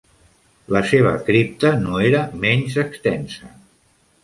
La seva cripta no era menys extensa.